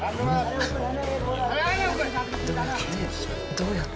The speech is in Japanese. どうやって。